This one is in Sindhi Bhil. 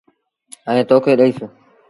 ائيٚݩ تو کي ڏئيس۔